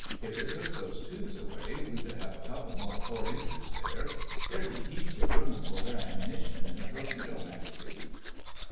If they took those tubes away we could have a couple more four inchers there. There'd be heaps of room for their ammunition in the torpedo magazine.